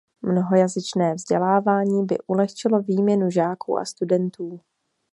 Mnohojazyčné vzdělávání by ulehčilo výměnu žáků a studentů.